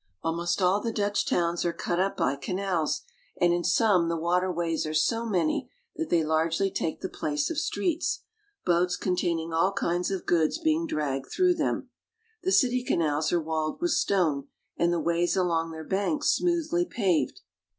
Almost all the Dutch towns are cut up by canals, and in some the water ways are so many that they largely take the place of streets, boats containing all kinds of goods being dragged through them. The city canals are walled with stone and the ways along their banks smoothly paved.